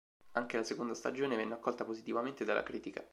Anche la seconda stagione venne accolta positivamente dalla critica.